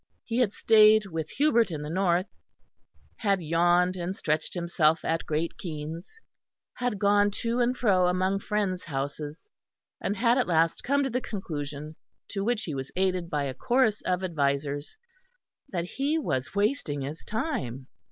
He had stayed with Hubert in the north, had yawned and stretched himself at Great Keynes, had gone to and fro among friends' houses, and had at last come to the conclusion, to which he was aided by a chorus of advisers, that he was wasting his time.